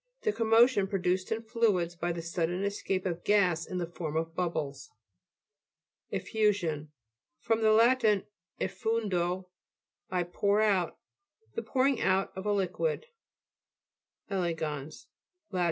The commotion pro duced in fluids by the sudden escape of gas in the form of bubbles.^ EFFU'SION fr. lat. effundo, I pour out. The pouring out of a liquid. E'LEGANS Lat.